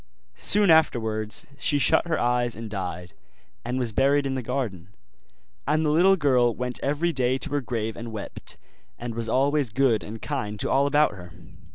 Soon afterwards she shut her eyes and died, and was buried in the garden; and the little girl went every day to her grave and wept, and was always good and kind to all about her.